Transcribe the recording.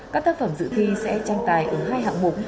các tác phẩm dự thi sẽ tranh tài ở hai hạng mục